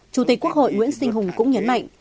chủ tịch quốc hội nguyễn sinh hùng cũng nhấn mạnh